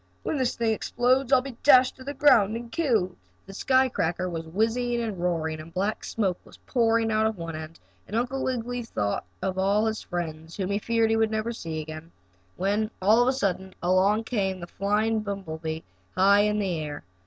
When this thing explodes, I'll be dashed to the ground and killed." The sky cracker was whizzing and roaring, and black smoke was pouring out of one end, and Uncle Wiggily thought of all his friends whom he feared he would never see again, when all of a sudden along came flying the buzzing bumble bee, high in the air.